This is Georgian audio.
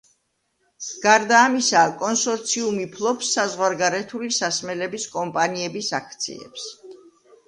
გარდა ამისა კონსორციუმი ფლობს საზღვარგარეთული სასმელების კომპანიების აქციებს.